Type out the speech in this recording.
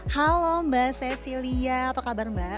halo mbak cecilia apa kabar mbak